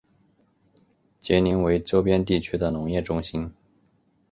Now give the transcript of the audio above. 杰宁为周边地区的农业中心。